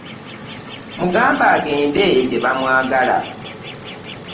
Mugambe agende gye bamwagala.